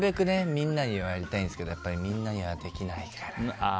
みんなにやりたいんですけどみんなにはできないから。